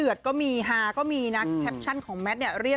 คือใบเฟิร์นเขาเป็นคนที่อยู่กับใครก็ได้ค่ะแล้วก็ตลกด้วย